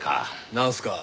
なんすか？